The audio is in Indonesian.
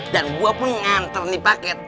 dan gue pengantar nih paket